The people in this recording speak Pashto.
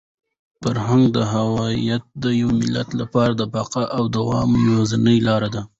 فرهنګي هویت د یو ملت لپاره د بقا او د دوام یوازینۍ لاره ده.